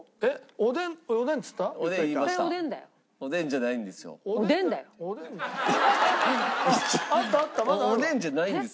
おでんじゃないんです。